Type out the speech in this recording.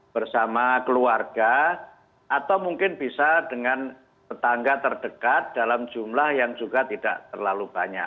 bersama keluarga atau mungkin bisa dengan tetangga terdekat dalam jumlah yang juga tidak terlalu banyak